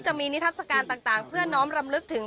จะมีนิทัศกาลต่างเพื่อน้อมรำลึกถึง